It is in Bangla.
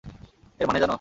এর মানে জানো?